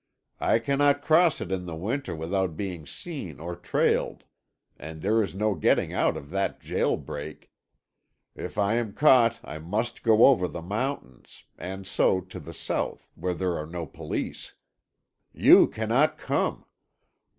"I cannot cross it in the winter without being seen or trailed, and there is no getting out of that jail break, if I am caught. I must go over the mountains, and so to the south, where there are no Police. You cannot come.